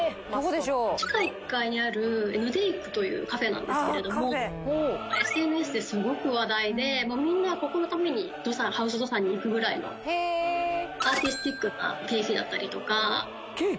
地下１階にあるＮＵＤＡＫＥというカフェなんですけれどもＳＮＳですごく話題でもうみんなここのためにＨＡＵＳＤＯＳＡＮに行くぐらいのアーティスティックなケーキだったりとかケーキ？